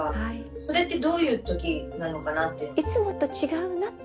それってどういう時なのかなって。